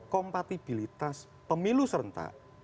kompatibilitas pemilu serentak